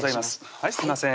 はいすいません